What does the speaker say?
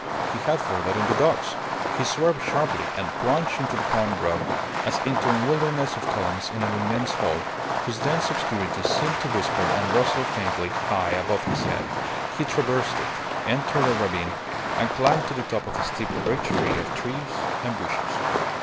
He had forgotten the dogs. He swerved sharply, and plunged into the palm grove, as into a wilderness of columns in an immense hall, whose dense obscurity seemed to whisper and rustle faintly high above his head. He traversed it, entered a ravine, and climbed to the top of a steep ridge free of trees and bushes.